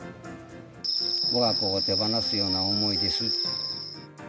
わが子を手放すような思いです。